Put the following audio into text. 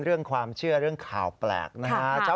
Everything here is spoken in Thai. เรื่องความเชื่อเรื่องข่าวแปลกนะฮะ